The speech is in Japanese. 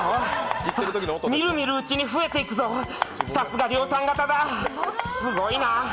みるみるうちに増えていくぞ、さすが量産型だ、すごいな。